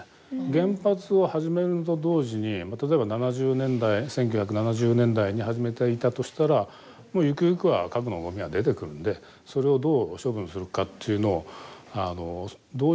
原発を始めるのと同時に例えば７０年代１９７０年代に始めていたとしたらもうゆくゆくは核のゴミは出てくるんでそれをどう処分するかっていうのを同時に議論を進めて。